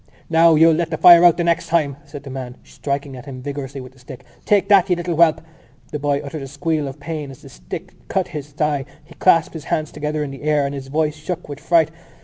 "Now, you'll let the fire out the next time!" said the man striking at him vigorously with the stick. "Take that, you little whelp!" The boy uttered a squeal of pain as the stick cut his thigh. He clasped his hands together in the air and his voice shook with fright.